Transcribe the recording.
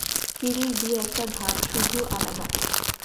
সিঁড়ির দু-একটা ধাপ শুধু আলাদা।